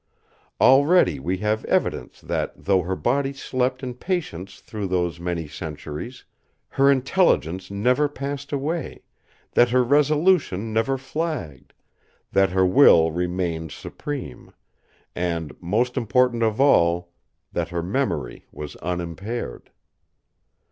Already we have evidence that though her body slept in patience through those many centuries, her intelligence never passed away, that her resolution never flagged, that her will remained supreme; and, most important of all, that her memory was unimpaired.